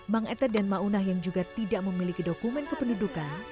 bang ete dan maunah yang juga tidak memiliki dokumen kependudukan